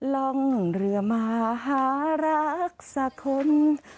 ลองเรือมาหารักษะคน